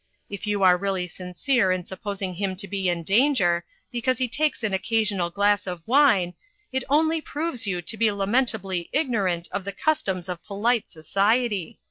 If you are really sincere in supposing him to be in danger, because he takes an occa sional glass of wine, it only proves you to be lamentably ignorant of the customs of polite society.